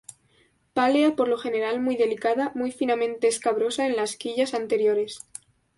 Pálea por lo general muy delicada, muy finamente escabrosa en las quillas anteriores.